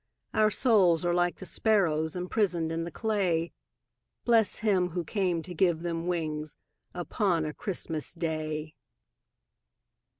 Our souls are like the sparrows Imprisoned in the clay, Bless Him who came to give them wings Upon a Christmas Day!